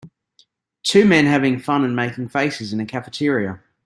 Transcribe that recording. Two men having fun and making faces in a cafeteria.